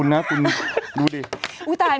เห็นไหม